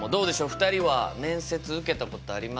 ２人は面接受けたことありますか？